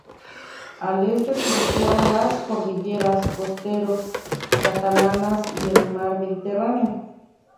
Al este se sitúan las cordilleras Costero Catalanas y el mar Mediterráneo.